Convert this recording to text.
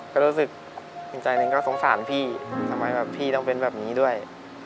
ก็รู้สึกดีใจหนึ่งก็สงสารพี่ทำไมแบบพี่ต้องเป็นแบบนี้ด้วย